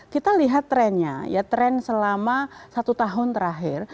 kita lihat trennya ya tren selama satu tahun terakhir